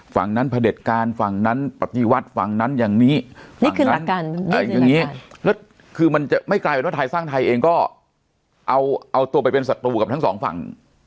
ฝั่งนั้นพระเด็จการฝั่งนั้นปฏิวัติฝั่งนั้นอย่างนี้นี่คือหลักการอย่างนี้แล้วคือมันจะไม่กลายเป็นว่าไทยสร้างไทยเองก็เอาตัวไปเป็นศัตรูกับทั้งสองฝั่ง